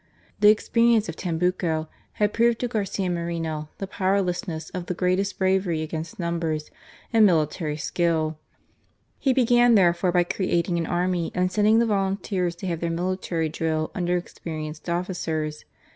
The experience of Tambucco had proved to Garcia Moreno the powerlessness of the greatest bravery against numbers and military skill. THE DRAMA OF RIOBAMBA, 8« He began therefore by creating an army and sending^ the volunteers to have their military drill under experienced officers.